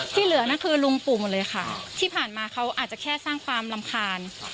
ที่เหลือนั่นคือลุงปู่หมดเลยค่ะที่ผ่านมาเขาอาจจะแค่สร้างความรำคาญ